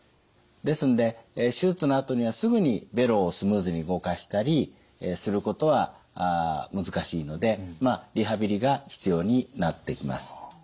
ですので手術のあとにはすぐにベロをスムーズに動かしたりすることは難しいのでリハビリが必要になってきます。